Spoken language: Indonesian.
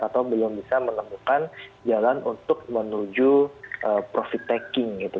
atau belum bisa menemukan jalan untuk menuju profit taking gitu